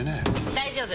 大丈夫！